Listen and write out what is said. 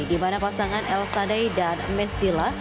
di mana pasangan el sadai dan mesdila